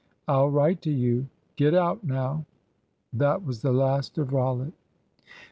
I'll write to you. Get out, now." That was the last of Rollitt.